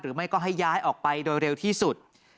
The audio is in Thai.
ไม่ก็ให้ย้ายออกไปโดยเร็วที่สุด